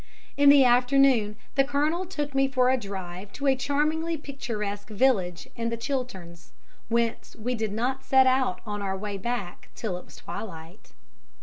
In the afternoon the Colonel took me for a drive to a charmingly picturesque village in the Chilterns, whence we did not set out on our way back till it was twilight.